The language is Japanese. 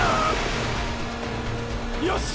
よし！